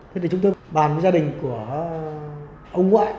thế thì chúng tôi bàn với gia đình của ông ngoại